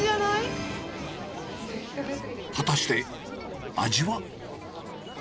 果たして、味は？